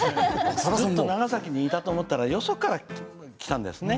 ずっと長崎にいたと思ったらよそから来たんですね。